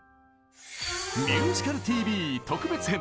「ミュージカルＴＶ」特別編！